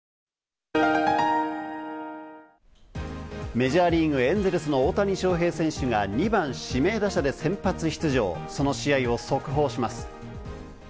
メジャーリーグ、エンゼルスの大谷翔平選手が２番・指名打者で先発出場、その試合を速報します。